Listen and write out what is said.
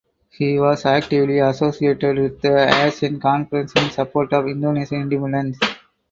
He was actively associated with the Asian Conference in support of Indonesian independence.